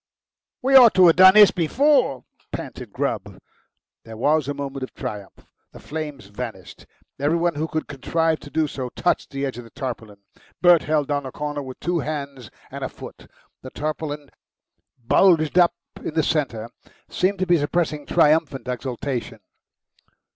"We ought to have done this before," panted Grubb. There was a moment of triumph. The flames vanished. Every one who could contrive to do so touched the edge of the tarpaulin. Bert held down a corner with two hands and a foot. The tarpaulin, bulged up in the centre, seemed to be suppressing triumphant exultation.